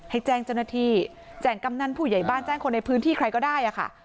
ให้แจ้งเจ้าหน้าที่แจ้งกำนันผู้ใหญ่บ้านแจ้งคนในพื้นที่ใครก็ได้ค่ะ